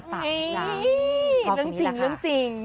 เริ่มเรื่องจริง